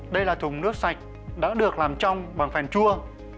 đây là thùng nước sạch đã được làm trong bằng phèn chua